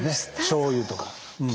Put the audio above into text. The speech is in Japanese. しょうゆとか。